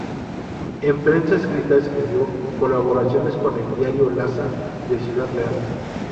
En prensa escrita escribió colaboraciones en el "Diario Lanza" de Ciudad Real.